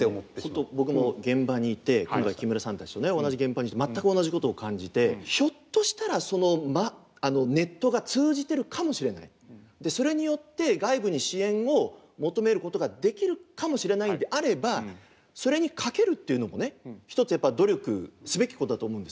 本当僕も現場にいて今回木村さんたちと同じ現場にいて全く同じことを感じてひょっとしたらネットが通じてるかもしれないそれによって外部に支援を求めることができるかもしれないんであればそれにかけるっていうのもね一つやっぱ努力すべきことだと思うんですよ。